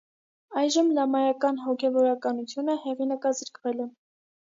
Այժմ լամայական հոգևորականությունը հեղինակազրկվել է։